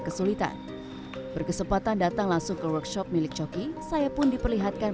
kesulitan berkesempatan datang langsung ke workshop milik coki saya pun diperlihatkan